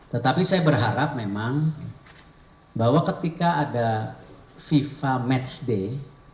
tetapi saya berharap memang bahwa ketika ada fifa match day